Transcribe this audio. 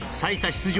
出場